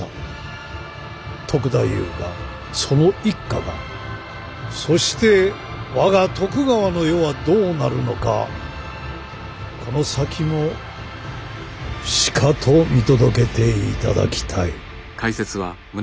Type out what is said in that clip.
篤太夫がその一家がそして我が徳川の世はどうなるのかこの先もしかと見届けていただきたい。